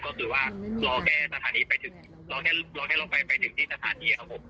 ก็คือว่ารอแค่รถแฟนไปไปถึงที่สถานีครับผม